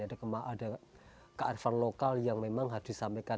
ada kearifan lokal yang memang harus disampaikan